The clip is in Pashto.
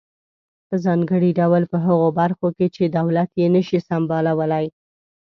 په ځانګړي ډول په هغه برخو کې چې دولت یې نشي سمبالولای.